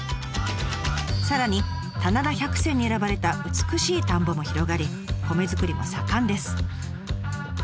さらに棚田百選に選ばれた美しい田んぼも広がり米作りも盛んです。